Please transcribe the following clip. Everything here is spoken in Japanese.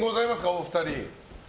お二人。